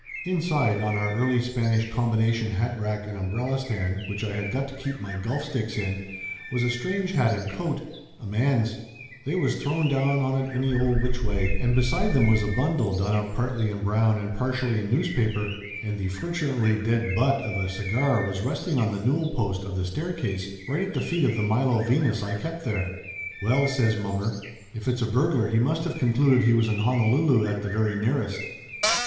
Inside, on our Early Spanish combination hatrack and umbrella stand which I had got to keep my golf sticks in, was a strange hat and coat a man's. They was thrown down on it any old which way, and beside them was a bundle done up partly in brown and par tially in newspaper, and the fortunately dead butt of a cigar was resting on the newel post of the staircase right at the feet of the Milo Venus I kept there. "Well!" says mommer. "If it's a burglar he must 237 238 Laughter Limited of concluded we was in Honolulu at the very nearest!"